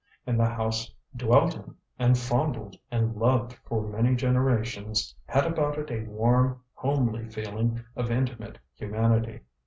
And the house dwelt in, and fondled, and loved for many generations had about it a warm, homely feeling of intimate humanity.